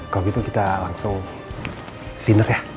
kalo gitu kita langsung dinner ya